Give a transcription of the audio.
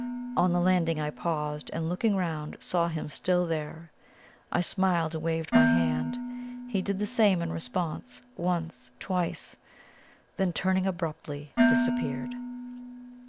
On the landing I paused, and, looking round, saw him still there. I smiled and waved my hand. He did the same in response, once twice; then turning abruptly, disappeared.